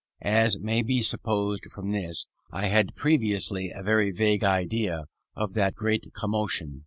As may be supposed from this, I had previously a very vague idea of that great commotion.